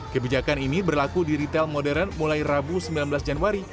kebijakan ini berlaku di retail modern mulai rabu sembilan belas januari